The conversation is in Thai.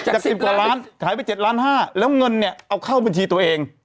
จาก๑๐กว่าล้านขายไป๗ล้าน๕แล้วเงินเนี่ยเอาเข้าบัญชีตัวเอง